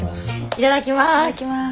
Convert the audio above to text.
いただきます。